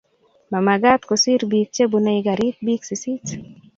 Mamagat kosir bik chebunei garit bik sisit